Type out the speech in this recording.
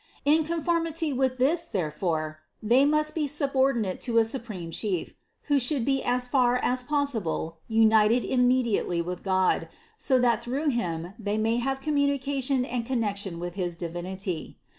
In conformity with this therefore, they must be subordinate to a supreme Chief, who should be as far as possible united immediately with God, so that through Him they may have communication and connection with his Divinity.